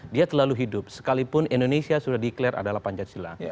dia selalu hidup sekalipun indonesia sudah declare adalah pancasila